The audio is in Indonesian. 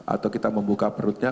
atau kita membuka perutnya